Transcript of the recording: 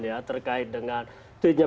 ya terkait dengan tweetnya